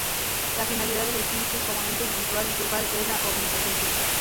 La finalidad del espíritu como ente individual y grupal es la omnipotencia.